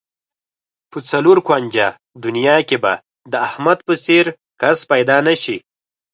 په څلور کونجه دنیا کې به د احمد په څېر کس پیدا نشي.